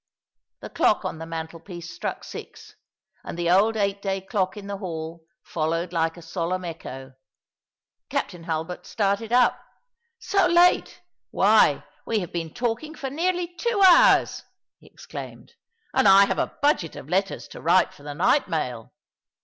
The clock on the mantelpiece struck six, and the old eight day clock in the hall followed like a solemn echo. Captain Hulbert started up. " So late ! Why, we have been talking for nearly two hours !" he exclaimed, " and I have a budget of letters to write for the night mail.